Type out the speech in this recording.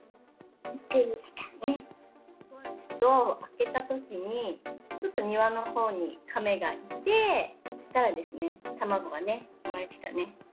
ドアを開けたときに、ちょっと庭のほうにカメがいて、そうしたらですね、卵がね、産まれてたね。